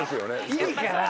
いいから。